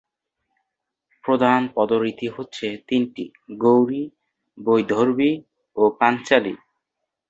প্রধান পদরীতি হচ্ছে তিনটি গৌড়ী, বৈদর্ভী ও পাঞ্চালী।